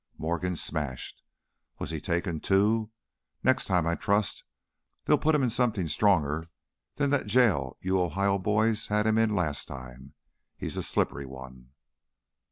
Morgan smashed! Was he taken too? Next time I trust they'll put him in something stronger than that jail you Ohio boys had him in last time; he's a slippery one."